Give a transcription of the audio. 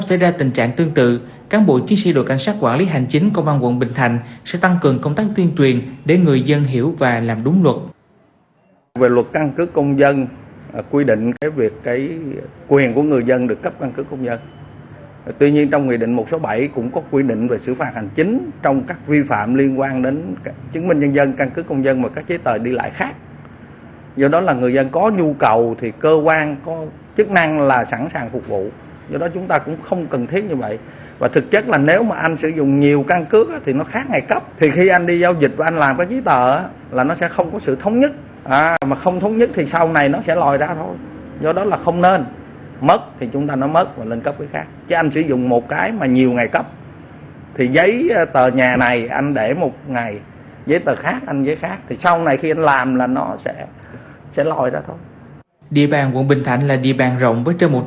việc cán bộ chiến sĩ đội cảnh sát quản lý hành chính công an quận tăng ca làm thêm giờ để kịp thời hoàn thiện hồ sơ đã thể hiện tinh thần hết lòng vì nhân dân phục vụ giữ vững niềm tình yêu của nhân dân